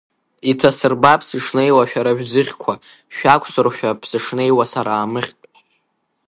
Иҭасырбап сышнеиуа шәара шәӡыхьқәа, шәақәсыршәап сышнеиуа сара амыхьтә.